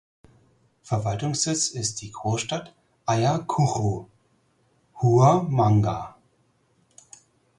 Verwaltungssitz ist die Großstadt Ayacucho (Huamanga).